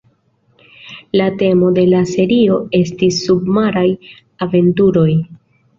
La temo de la serio estis submaraj aventuroj.